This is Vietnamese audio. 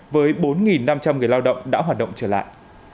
với bốn năm trăm linh người lao động đã hoạt động trở lại